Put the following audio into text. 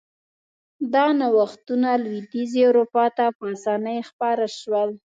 دا نوښتونه لوېدیځې اروپا ته په اسانۍ خپاره شول.